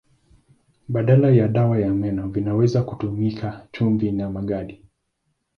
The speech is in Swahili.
Badala ya dawa ya meno vinaweza kutumika chumvi na magadi.